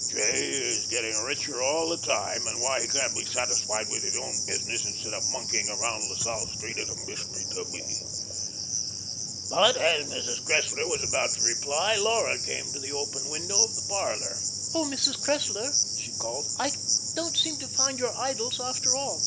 'J.' is getting richer all the time, and why he can't be satisfied with his own business instead of monkeying 'round La Salle Street is a mystery to me." But, as Mrs. Cressler was about to reply, Laura came to the open window of the parlour. "Oh, Mrs. Cressler," she called, "I don't seem to find your 'Idylls' after all.